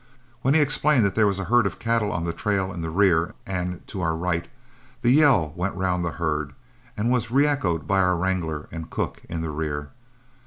When he explained that there was a herd of cattle on the trail in the rear and to our right, the yell went around the herd, and was reechoed by our wrangler and cook in the rear.